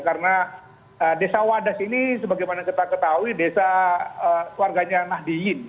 karena desa wadas ini sebagaimana kita ketahui desa warganya nahdiyin